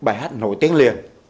và bài hát nổi tiếng liền